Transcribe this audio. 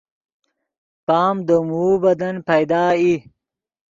پام دے موؤ بدن پیدا ای